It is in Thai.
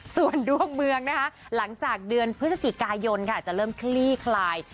ส่วนดวงเมืองนะคะหลังจากเดือนพฤศจิกายนค่ะจะเริ่มคลี่คลาย